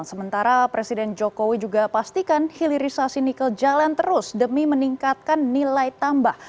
sementara presiden jokowi juga pastikan hilirisasi nikel jalan terus demi meningkatkan nilai tambah